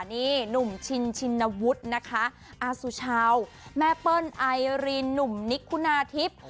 นี่หนุ่มชินชินวุฒินะคะอาสุชาวแม่เปิ้ลไอรีนหนุ่มนิกคุณาทิพย์